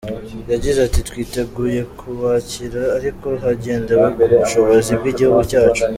Yagize ati “Twiteguye kubakira ariko hagendewe ku bushobozi bw’igihugu cyacu.